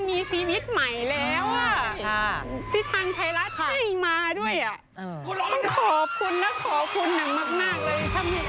มีชีวิตใหม่แล้วที่ทางไทยรัฐให้มาด้วยอ่ะขอบคุณอย่างมากเลย